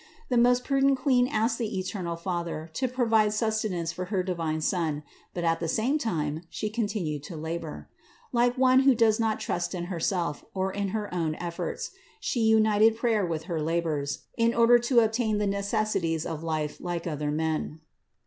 The most prudent Queen asked the eternal Father to provide sustenance for her divine Son; but at the same time She continued to labor. Like one who does not trust in herself, or in her own efforts, She united prayer with her labors, in order to obtain the necessities of life like other men.